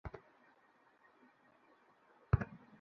বললাম বড়োদের খেলায় কচি-কাচাদের ঢোকা উচিত নয়, ছোকরা।